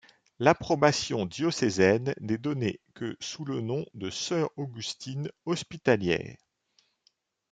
L'approbation diocésaine n'est donnée que le sous le nom de sœurs augustines hospitalières.